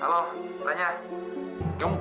kamu tolongin aku dong kamu dateng ke rumah aku sekarang ya